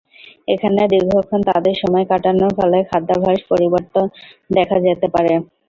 এখানে দীর্ঘক্ষণ তাদের সময় কাটানোর ফলে খাদ্যাভ্যাসে পরিবর্তন দেখা যেতে পারে।